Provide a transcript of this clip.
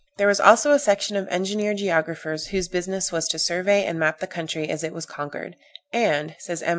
There were also a section of engineer geographers, whose business was to survey and map the country as it was conquered, "and," says M.